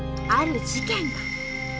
ある事件が。